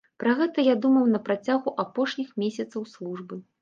Пра гэта я думаў на працягу апошніх месяцаў службы.